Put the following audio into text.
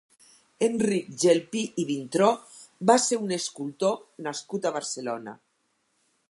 Enric Gelpí i Vintró va ser un escultor nascut a Barcelona.